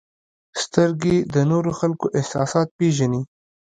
• سترګې د نورو خلکو احساسات پېژني.